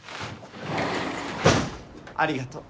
ありがとう。